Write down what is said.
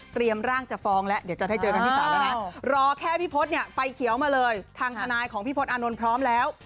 ร่างจะฟ้องแล้วเดี๋ยวจะได้เจอกันที่๓แล้วนะรอแค่พี่พศเนี่ยไฟเขียวมาเลยทางทนายของพี่พศอานนท์พร้อมแล้ว